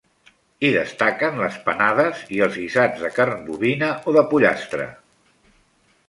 Hi destaquen les panades i els guisats de carn bovina o de pollastre.